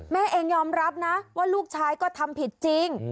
แม่เองยอมรับนะว่าลูกชายก็ทำผิดจริง